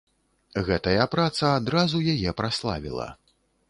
Гэтая праца адразу яе праславіла.